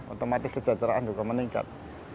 otomatis kejahteraan juga meningkat